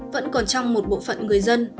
vẫn còn trong một bộ phận người dân